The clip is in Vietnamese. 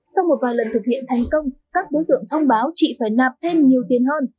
sau một vài lần thực hiện thành công các đối tượng thông báo chị phải nạp thêm nhiều tiền hơn